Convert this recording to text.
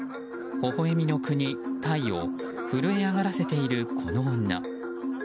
ほほ笑みの国、タイを震え上がらせているこの女。